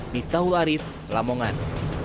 bistahul arief lamongan